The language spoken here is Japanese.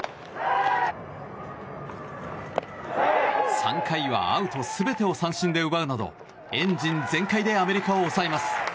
３回はアウト全てを三振で奪うなどエンジン全開でアメリカを抑えます。